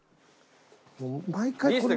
毎回これ。